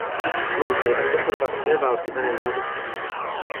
Sloužil až do Chorvatské války za nezávislost.